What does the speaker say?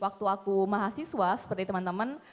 waktu aku mahasiswa seperti temen temen